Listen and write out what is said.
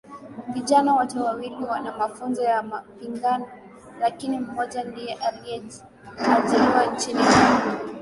Vijana wote wawili wana mafunzo ya mapigano lakini mmoja ndiye alieajiriwa nchini humo